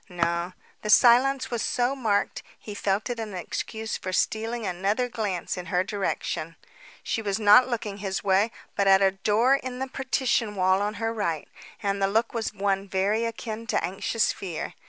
No. The silence was so marked, he felt it an excuse for stealing another glance in her direction. She was not looking his way but at a door in the partition wall on her right; and the look was one very akin to anxious fear.